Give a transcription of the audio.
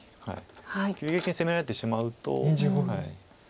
急激に攻められてしまうと。